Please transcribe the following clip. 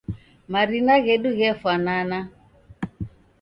Marina ghedu ghefwanana.